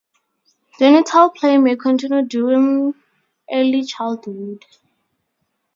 Genital play may continue during early childhood.